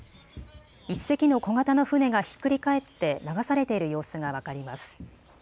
１隻の小型の船がひっくり返って流されている様子が分かります。